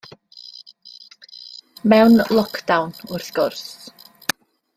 Mewn lock-down, wrth gwrs.